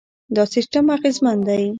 دا سیستم اغېزمن دی.